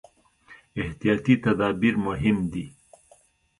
احتیاطي تدابیر مهم دي.